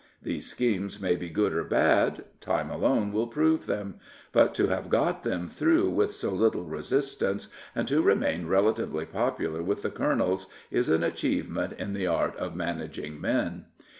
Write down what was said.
These schemes may be good or bad. Time alone will prove them. But to have got them through with so little resistance and to remain relatively popular with the colonels is an achievement in the art of managing men.